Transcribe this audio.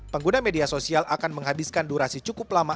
pengguna media sosial akan menghabiskan durasi cukup lama